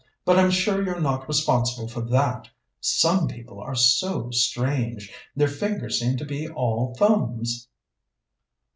But I'm sure you're not responsible for that. Some people are so strange; their fingers seem to be all thumbs."